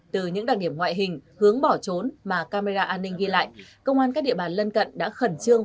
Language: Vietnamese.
từ những đặc điểm ngoại hình hướng bỏ trốn mà camera an ninh ghi lại công an các địa bàn lân cận đã khẩn trương